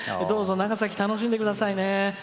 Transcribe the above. どうぞ、長崎を楽しんでくださいね！